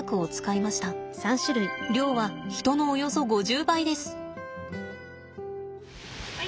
量は人のおよそ５０倍です。